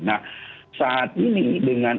nah saat ini dengan